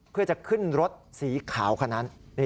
เพื่อจะขึ้นรถสีขาวคนนั้น